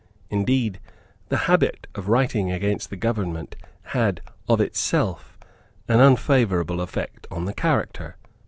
Indeed the habit of writing against the government had, of itself, an unfavourable effect on the character.